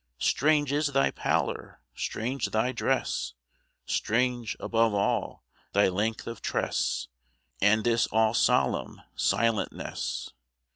Strange is thy pallor! strange thy dress! Strange, above all, thy length of tress, And this all solemn silentness!